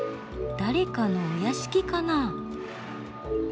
誰かのお屋敷かな？